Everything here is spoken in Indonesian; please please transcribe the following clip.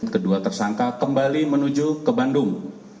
kedua tersangka kembali menuju ke bandung